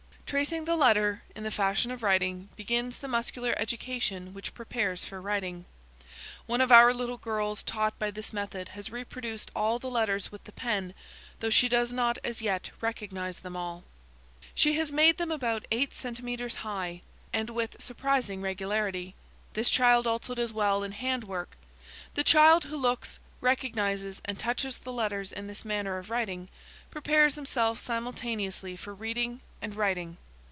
"Tracing the letter, in the fashion of writing, begins the muscular education which prepares for writing. One of our little girls taught by this method has reproduced all the letters with the pen, though she does not as yet recognise them all. She has made them about eight centimetres high, and with surprising regularity. This child also does well in hand work. The child who looks, recognises, and touches the letters in the manner of writing, prepares himself simultaneously for reading and writing.